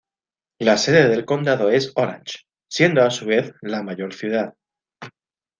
La sede del condado es Orange, siendo a su vez la mayor ciudad.